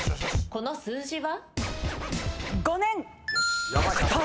この数字は？